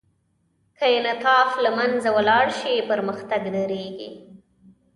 که انعطاف له منځه ولاړ شي، پرمختګ درېږي.